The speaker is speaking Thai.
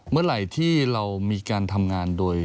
เมื่อไหร่ที่เรามีการทำงานโดย